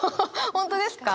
本当ですか？